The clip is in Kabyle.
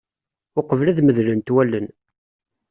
Uqbel ad medlent walen.